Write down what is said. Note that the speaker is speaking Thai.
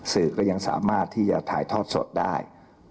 สื่อก็ยังสามารถที่จะถ่ายทอดสดได้